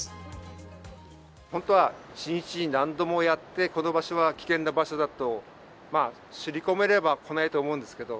本当は１日に何度もやって、この場所は危険な場所だと刷り込めれば来ないと思うんですけど。